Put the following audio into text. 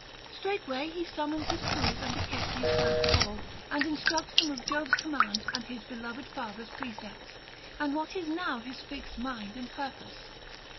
Straightway he summons his crews and Acestes first of all, and instructs them of Jove's command and his beloved father's precepts, and what is now his fixed mind and purpose.